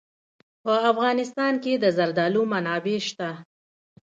په افغانستان کې د زردالو منابع شته.